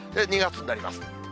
２月になります。